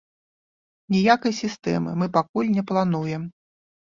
Ніякай сістэмы мы пакуль не плануем.